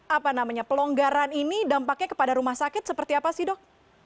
apa namanya pelonggaran ini dampaknya kepada rumah sakit seperti apa sih dok